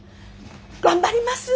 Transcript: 頑張ります。